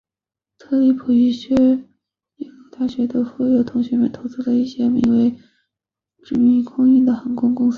特里普与一些耶鲁大学的富有同学投资了一间名为殖民空运的航空公司。